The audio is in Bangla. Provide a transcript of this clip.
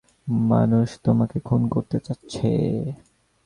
মানুষ তোমাকে খুন করতে চাচ্ছে।